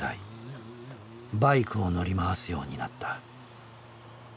バイクを乗り回すようになった。